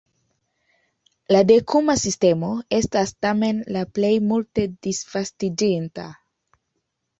La dekuma sistemo estas tamen la plej multe disvastiĝinta.